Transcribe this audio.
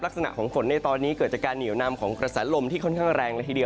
ลักษณะของฝนในตอนนี้เกิดจากการเหนียวนำของกระแสลมที่ค่อนข้างแรงละทีเดียว